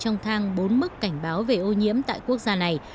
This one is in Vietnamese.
trước đó trung quốc đã ban bố mức cảnh báo về ô nhiễm tại quốc gia này